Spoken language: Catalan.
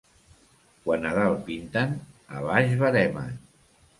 Quan a dalt pinten, a baix veremen.